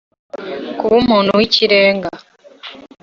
kuba umuntu w'ikirenga: